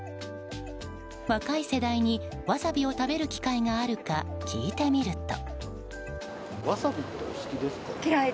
若い世代にワサビを食べる機会があるか聞いてみると。